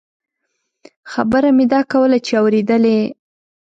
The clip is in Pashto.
خبره مې دا کوله چې اورېدلې.